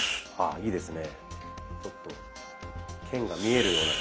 いいですね。